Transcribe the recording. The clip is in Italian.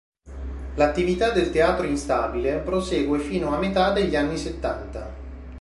L'attività del Teatro Instabile prosegue fino a metà degli anni Settanta.